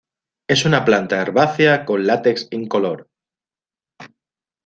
Es una planta herbácea con latex incoloro.